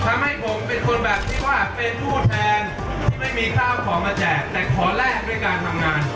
ทำให้ผมเป็นคนแบบที่ว่าเป็นผู้แทนที่ไม่มีข้าวของมาแจกแต่ขอแลกด้วยการทำงาน